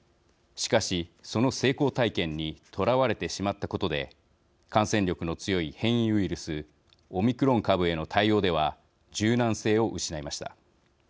しかし、その成功体験にとらわれてしまったことで感染力の強い変異ウイルスオミクロン株への対応では柔軟性を失いました。